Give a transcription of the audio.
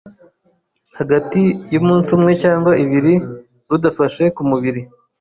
hagati yumunsi umwe cyangwa ibiri rudafashe ku mubiri